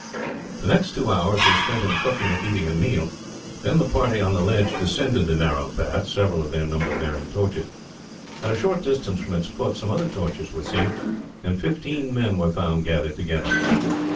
The next two hours were spent in cooking and eating a meal; then the party on the ledge descended the narrow path, several of their number bearing torches. At a short distance from its foot some other torches were seen, and fifteen men were found gathered together.